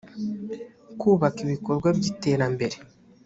kubaka ibikorwa by iterambere